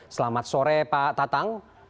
selamat sore pak tatang